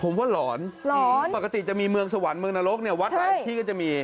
ผมว่าหลอนหลอนปกติจะมีเมืองสวรรค์เมืองนรกเนี่ยวัดหลายที่ก็จะมี